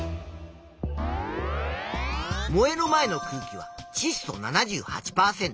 燃える前の空気はちっ素７８％